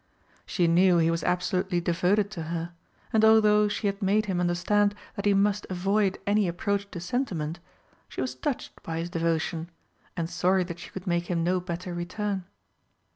She knew he was absolutely devoted to her, and although she had made him understand that he must avoid any approach to sentiment, she was touched by his devotion, and sorry that she could make him no better return.